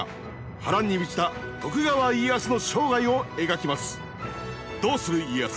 波乱に満ちた徳川家康の生涯を描きます。